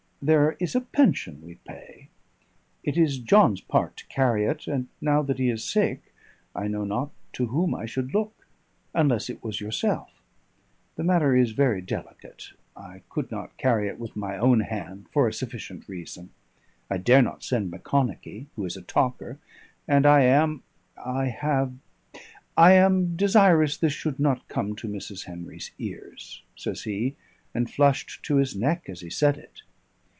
There is a pension we pay; it is John's part to carry it, and now that he is sick I know not to whom I should look, unless it was yourself. The matter is very delicate; I could not carry it with my own hand for a sufficient reason; I dare not send Macconochie, who is a talker, and I am I have I am desirous this should not come to Mrs. Henry's ears," says he, and flushed to his neck as he said it.